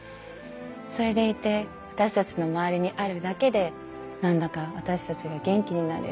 それでいて私たちの周りにあるだけで何だか私たちが元気になれる。